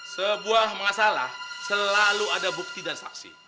sebuah masalah selalu ada bukti dan saksi